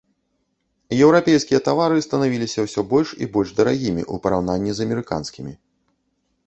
Еўрапейскія тавары станавіліся ўсё больш і больш дарагімі ў параўнанні з амерыканскімі.